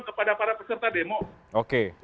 kepada para peserta demo